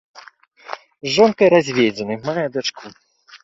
З жонкай разведзены, мае дачку.